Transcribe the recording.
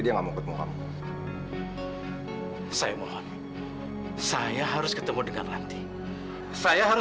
ditantang sociaux jiwa dia